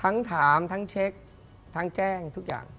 ทั้งถามทั้งเช็คทั้งแจ้งทุกอย่าง